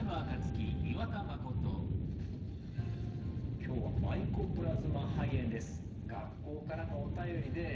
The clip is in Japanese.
今日はマイコプラズマ肺炎です。